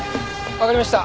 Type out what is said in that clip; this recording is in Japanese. わかりました。